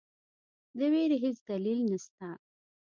د وېرې هیڅ دلیل نسته.